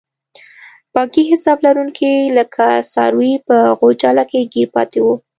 بانکي حساب لرونکي لکه څاروي په غوچله کې ګیر پاتې وو.